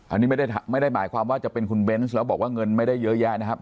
อันนี้ไม่ได้หมายความว่าจะเป็นคุณเบนส์แล้วบอกว่าเงินไม่ได้เยอะแยะนะครับ